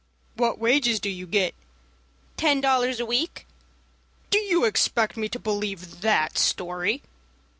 "What wages do you get?" "Ten dollars a week." "Do you expect me to believe that story?"